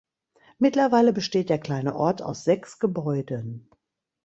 Mittlerweile besteht der kleine Ort aus sechs Gebäuden.